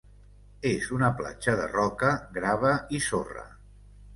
És una platja de roca, grava i sorra.